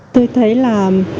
tôi thấy là